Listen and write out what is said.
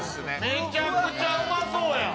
めちゃくちゃうまそうやん！